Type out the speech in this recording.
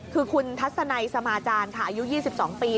คือคุณทัศนัยสมาจารย์ค่ะอายุ๒๒ปี